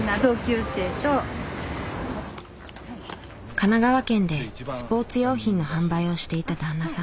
神奈川県でスポーツ用品の販売をしていた旦那さん。